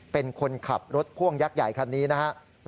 เป็นคนขับรถพ่วงยักษ์ใหญ่คันนี้นะครับ